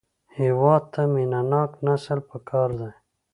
هېواد ته مینهناک نسل پکار دی